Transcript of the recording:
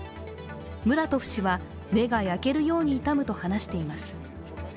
ムラトフ氏は、目が焼けるように痛むと話しています。